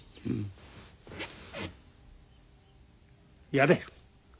やれ。